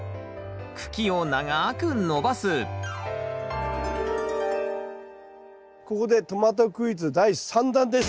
茎を長く伸ばすここでトマトクイズ第３弾です。